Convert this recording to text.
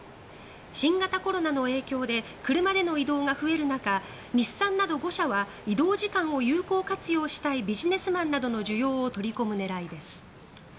新型コロナの影響で車での移動が増える中日産など５社は移動時間を有効活用したいビジネスマンなどの需要を取り込む狙いです。